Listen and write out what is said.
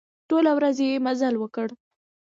ټوله ورځ يې مزل وکړ.